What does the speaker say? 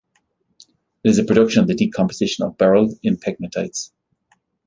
It is a product of the decomposition of beryl in pegmatites.